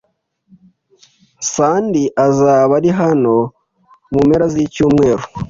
Sandy azaba ari hano mu mpera zicyumweru.